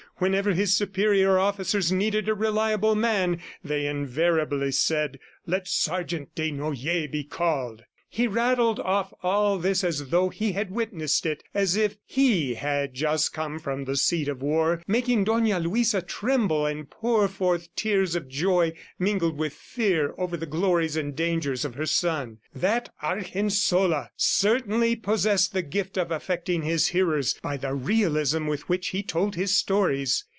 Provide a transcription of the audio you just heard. Whenever his superior officers needed a reliable man, they invariably said, "Let Sergeant Desnoyers be called!" He rattled off all this as though he had witnessed it, as if he had just come from the seat of war, making Dona Luisa tremble and pour forth tears of joy mingled with fear over the glories and dangers of her son. That Argensola certainly possessed the gift of affecting his hearers by the realism with which he told his stories!